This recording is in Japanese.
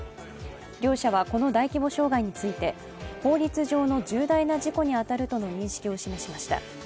両社はこの大規模障害について法律上の重大な事故に当たるという認識を示しました。